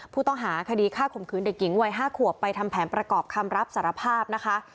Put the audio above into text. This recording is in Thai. ผู้ต้องหาคดีฆ่าข่มขืนเด็กหญิงวัย๕ขวบไปทำแผนประกอบคำรับสารภาพนะคะ